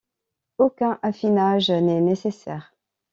Aucun affinage n'est nécessaire.